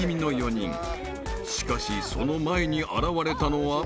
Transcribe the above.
［しかしその前に現れたのは？］